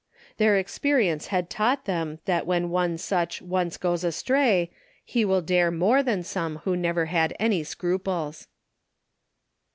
Their experience had taught them that when one such once goes astray, he will dare more than some who never had any scruples.